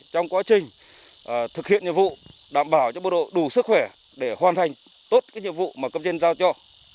trong quá trình thực hiện nhiệm vụ đảm bảo cho bộ đội đủ sức khỏe để hoàn thành tốt cái nhiệm vụ mà cấp trên giao cho